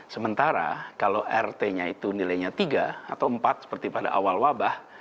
sementara kalau rt nya itu nilainya tiga atau empat seperti pada awal wabah